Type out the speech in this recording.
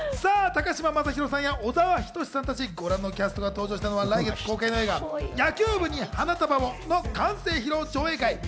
高嶋政宏さんや小沢仁志さんたち、ご覧のキャストが登場したのは来月公開の映画『野球部に花束を』の完成披露上映会。